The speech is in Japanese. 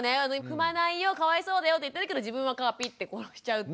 「踏まないよかわいそうだよ」って言ってるけど自分は蚊はピッて殺しちゃうっていうね。